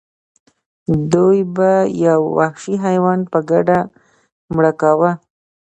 دوی به یو وحشي حیوان په ګډه مړه کاوه.